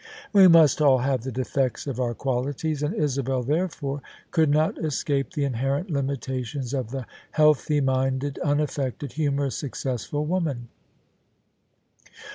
We must all have the defects of our qualities: and Isabel therefore could not escape the inherent limitations of the healthy minded, unaffected, humorous, successful woman.